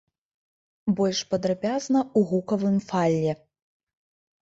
Больш падрабязна ў гукавым файле!